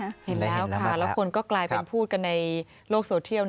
เห็นแล้วค่ะแล้วคนก็กลายเป็นพูดกันในโลกโซเทียล